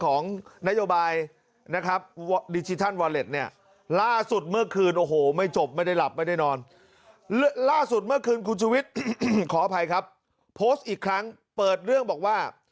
ขออภัยครับโพสต์อีกครั้งเปิดเรื่องบอกว่า